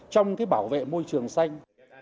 trong cái bảo vệ môi trường xanh